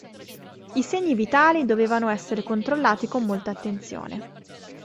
I segni vitali dovevano essere controllati con molta attenzione.